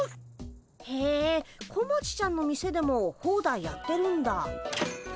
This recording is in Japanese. へえ小町ちゃんの店でもホーダイやってるんだ。